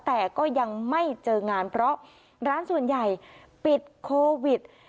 แต่ก็ยังไม่เจองานเพราะร้านส่วนใหญ่ปิดโควิด